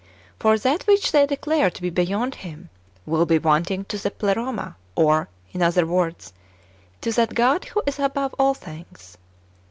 For that which they declare to be beyond Him will be wanting to the Ple roma, or, [in other words,] to that God who is above all things.